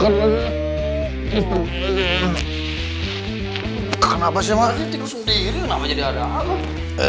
kenapa jadi ada apa